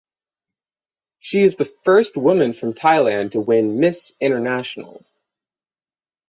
She is the first woman from Thailand to win Miss International.